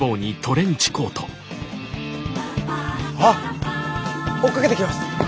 あっ追っかけてきます。